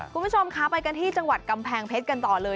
คุณผู้ชมคะไปกันที่จังหวัดกำแพงเพชรกันต่อเลย